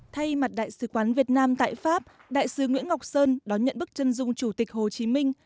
thay mặt đại sứ quán việt nam tại pháp đại sứ nguyễn ngọc sơn đón nhận bức chân dung chủ tịch hồ chí minh